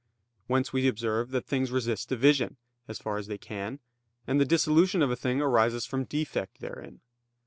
Whence we observe that things resist division, as far as they can; and the dissolution of a thing arises from defect therein.